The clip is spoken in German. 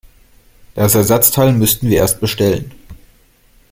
Das Ersatzteil müssten wir erst bestellen.